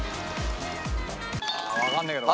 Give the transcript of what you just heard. わかんねえけど。